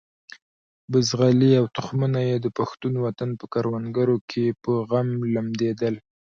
بزغلي او تخمونه یې د پښتون وطن په کروندو کې په غم لمدېدل.